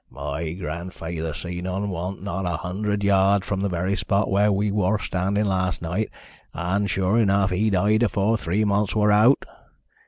"My grandfeyther seen un once not a hundred yards from the very spot were we wor standin' last night, and, sure enough, he died afore three months wor out.